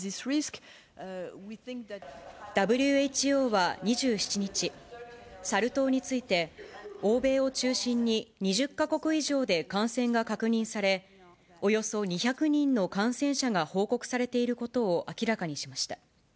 ＷＨＯは２７日、サル痘について、欧米を中心に、２０か国以上で感染が確認され、およそ２００人の感染者が報告されていることを明らかにしました。